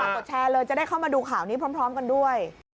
กดแชร์เลยจะได้เข้ามาดูข่าวนี้พร้อมกันด้วย